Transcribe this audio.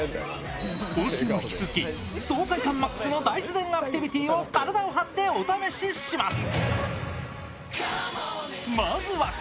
今週も引き続き、爽快感マックスの大自然アクティビティーを体を張ってお試しします。